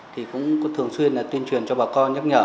thì cũng thường xuyên là tuyên truyền cho bà con nhắc nhở